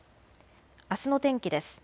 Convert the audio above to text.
あすの天気です。